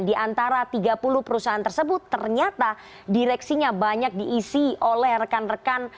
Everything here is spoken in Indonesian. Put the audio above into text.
di antara tiga puluh perusahaan tersebut ternyata direksinya banyak diisi oleh rekan rekan